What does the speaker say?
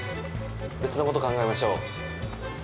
別のこと考えましょう。